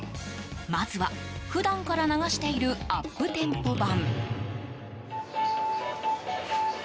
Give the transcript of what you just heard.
まずは、普段から流しているアップテンポ版。